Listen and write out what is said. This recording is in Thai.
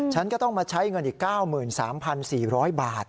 ฉันก็ต้องมาใช้เงินอีก๙๓๔๐๐บาท